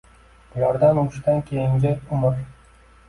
Bularda urushdan keyingi umr?!